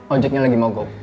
ojeknya lagi mogok